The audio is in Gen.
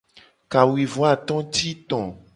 Kawuivoato ti to.